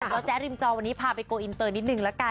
แล้วแจ๊ริมจอวันนี้พาไปโกลอินเตอร์นิดนึงละกัน